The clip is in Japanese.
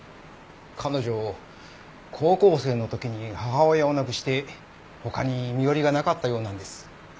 彼女高校生の時に母親を亡くして他に身寄りがなかったようなんです。